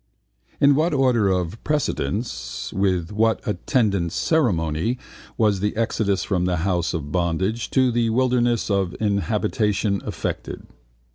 In what order of precedence, with what attendant ceremony was the exodus from the house of bondage to the wilderness of inhabitation effected?